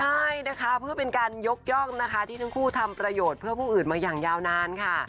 ใช่นะคะเพื่อเป็นการยกย่องนะคะที่ทั้งคู่ทำประโยชน์เพื่อผู้อื่นมาอย่างยาวนานค่ะ